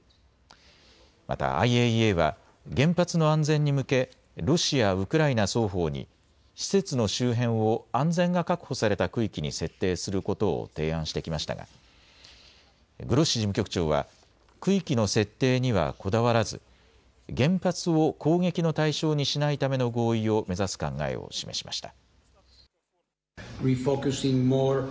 またＩＡＥＡは原発の安全に向けロシア、ウクライナ双方に施設の周辺を安全が確保された区域に設定することを提案してきましたがグロッシ事務局長は、区域の設定にはこだわらず原発を攻撃の対象にしないための合意を目指す考えを示しました。